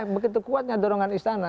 begitu kuatnya dorongan istana